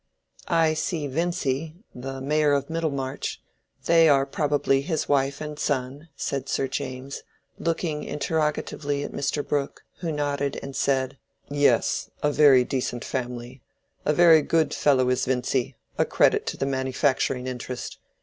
"I see Vincy, the Mayor of Middlemarch; they are probably his wife and son," said Sir James, looking interrogatively at Mr. Brooke, who nodded and said— "Yes, a very decent family—a very good fellow is Vincy; a credit to the manufacturing interest.